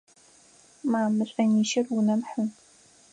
Ма, мы шӏонищыр унэм хьы!